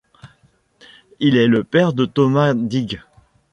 Il est le père de Thomas Digges.